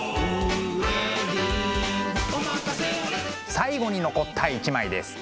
最後に残った一枚です。